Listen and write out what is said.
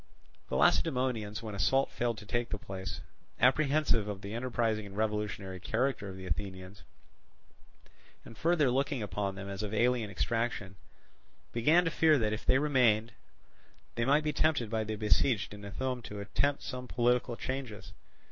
The Lacedaemonians, when assault failed to take the place, apprehensive of the enterprising and revolutionary character of the Athenians, and further looking upon them as of alien extraction, began to fear that, if they remained, they might be tempted by the besieged in Ithome to attempt some political changes.